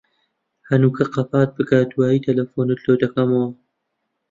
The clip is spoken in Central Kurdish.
هەنووکە قەپات بکە، دوایێ تەلەفۆنت لۆ دەکەمەوە.